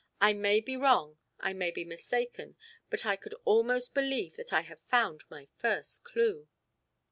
I may be wrong, I may be mistaken, but I could almost believe that I have found my first clue."